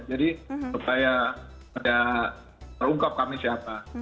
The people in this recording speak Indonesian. jadi supaya tidak terungkap kami siapa